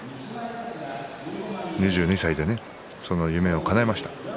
２２歳で夢をかなえました。